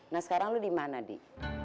nah sekarang lu dimana di